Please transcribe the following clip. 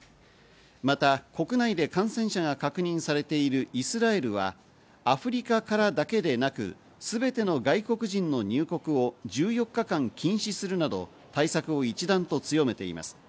また国内で感染者が確認されているイスラエルは、アフリカからだけでなく、すべての外国人の入国を１４日間禁止するなど対策を一段と強めています。